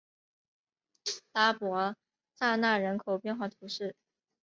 拉博桑讷人口变化图示